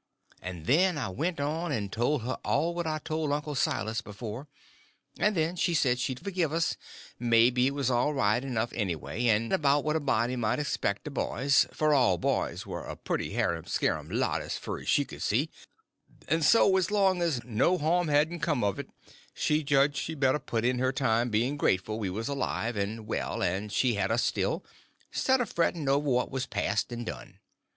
And then I went on and told her all what I told Uncle Silas before; and then she said she'd forgive us, and maybe it was all right enough anyway, and about what a body might expect of boys, for all boys was a pretty harum scarum lot as fur as she could see; and so, as long as no harm hadn't come of it, she judged she better put in her time being grateful we was alive and well and she had us still, stead of fretting over what was past and done.